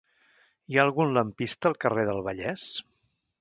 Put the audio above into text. Hi ha algun lampista al carrer del Vallès?